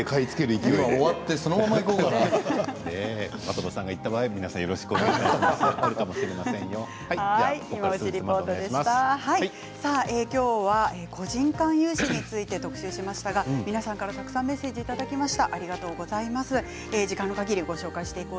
今日終わって的場さんが行った場合今日は個人間融資について特集しましたが皆さんからたくさんメッセージをいただきました。